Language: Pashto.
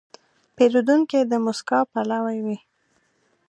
پیرودونکی د موسکا پلوی وي.